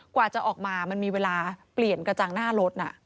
กว่าจะออกมามันมีเวลาเปลี่ยนกระจังหน้ารถ